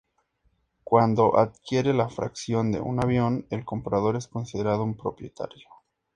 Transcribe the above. Cuando adquiere la fracción de un avión, el comprador es considerado un "propietario.